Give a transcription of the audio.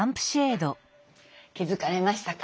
気付かれましたか？